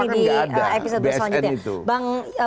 kita bahas di episode berikutnya